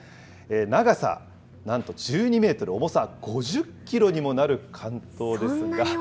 長さなんと１２メートル、重さ５０キロにもなる竿燈ですが。